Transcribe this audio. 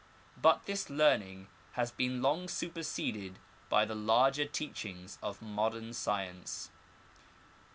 But this learning has been long superseded by the larger teachings of modern science.